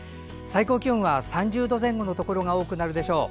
最高気温は３０度前後のところが多くなるでしょう。